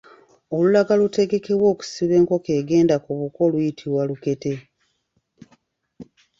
Olulagala olutegekebwa okusiba enkoko egenda ku buko luyitibwa lukete.